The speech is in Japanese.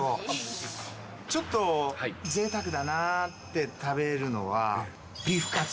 ちょっと、ぜいたくだなって食べるのがビーフカツ。